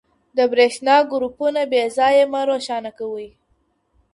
د برښنا ګروپونه بې ځایه مه روښانه کوئ.